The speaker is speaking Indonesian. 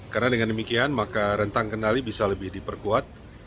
karena dengan demikian maka rentang kendali bisa lebih diperkuat